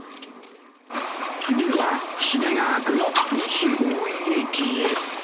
次は、品川区の西大井駅へ。